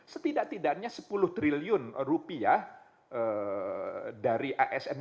setidak tidaknya sepuluh triliun rupiah dari asn